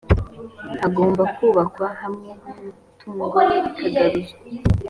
hagomba kubakwa hamwe n’imitungo ye ikagaruzwa